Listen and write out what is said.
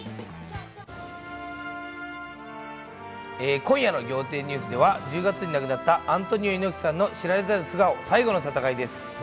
今夜の『仰天ニュース』では１０月に亡くなった、アントニオ猪木さんの知られざる素顔、最後の闘いです。